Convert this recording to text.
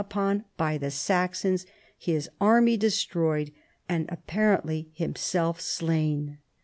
159 upon by the Saxons, bis array destroyed, and ap parently himself slain.